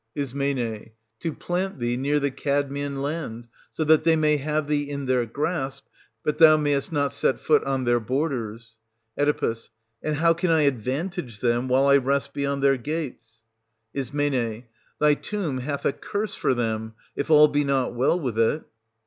Is. To plant thee near the Cadmean land, so that they may have thee in their grasp, but thou mayest not set foot on their borders. 400 Oe. And how can I advantage them while I rest beyond their gates } Is. Thy tomb hath a curse for them, if all be not well with it.